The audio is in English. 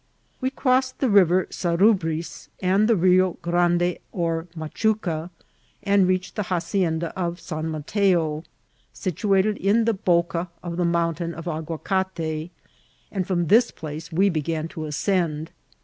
We crossed the river Snrubris and the Rio Orande or Machnca, and reached the hacienda of. San Mateo, situated in the Boca of the mountain <rf Aguaoate, and from this place we began to ascend.